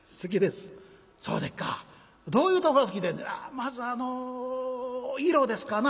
「まずあの色ですかな」。